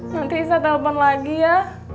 nanti saya telepon lagi ya